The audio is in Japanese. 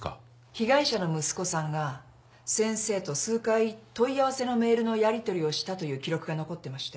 被害者の息子さんが先生と数回問い合わせのメールのやりとりをしたという記録が残ってまして。